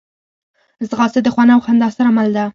ځغاسته د خوند او خندا سره مل ده